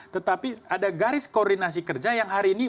tetapi ada garis koordinasi kerja yang hari ini